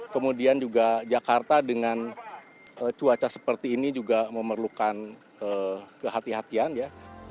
kemudian juga jakarta dengan cuaca seperti ini juga memerlukan kehatian ya